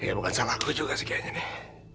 ya bukan salah aku juga sih kayaknya nih